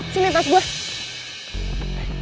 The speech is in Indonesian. sini tas gue